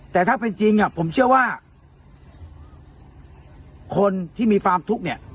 แต่ถ้าเป็นจริงผมเชื่อว่าคนที่มีความทุกข์เนี่ย